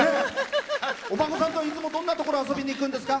お孫さんといつもどんなところ遊びに行くんですか？